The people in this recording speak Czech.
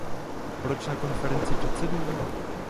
Proč na Konferenci předsedů?